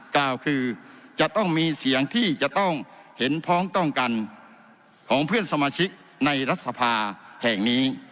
กล่าวคือจะต้องมีเสียงที่จะต้องเห็นพ้องต้องกันของเพื่อนสมาชิกในรัฐสภาแห่งนี้